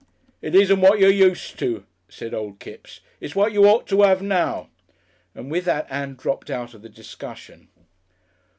"It isn't what you're used to," said old Kipps, "it's what you ought to 'ave now." And with that Ann dropped out of the discussion.